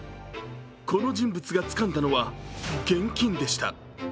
この人物がつかんだのは現金でした。